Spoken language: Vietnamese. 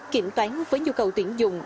kiểm toán với nhu cầu tuyển dụng